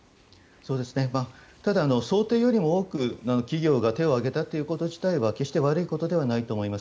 ただ、想定よりも多く企業が手を挙げたということ自体は決して悪いことではないと思います。